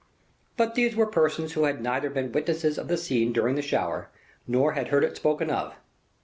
But these were persons who had neither been witnesses of the scene during the shower, nor had heard it spoken of.